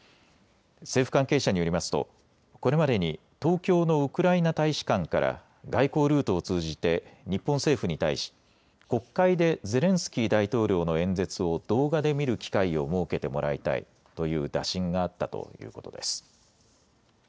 政府関係者によりますとこれまでに東京のウクライナ大使館から外交ルートを通じて日本政府に対し国会でゼレンスキー大統領の演説を動画で見る機会を設けてもらいたいという打診があったということです。